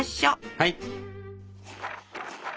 はい。